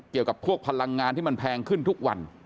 เกี่ยวกับพวกพลังงานที่มันแพงขึ้นทุกวัน